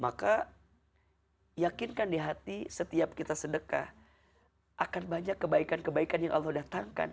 maka yakinkan di hati setiap kita sedekah akan banyak kebaikan kebaikan yang allah datangkan